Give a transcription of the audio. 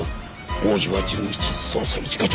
大岩純一捜査一課長。